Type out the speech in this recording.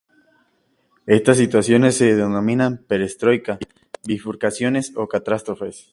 Estas situaciones se denominan perestroika, bifurcaciones o catástrofes.